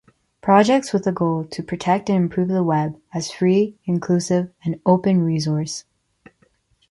Projects with the goal to protect and improve the web, as free, inclusive and open resource.